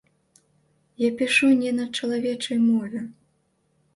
Я пішу не на чалавечай мове.